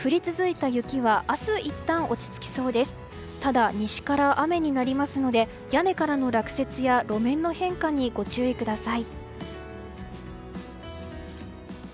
ただ、西から雨になりますので屋根からの落雪や路面の変化にご注意ください。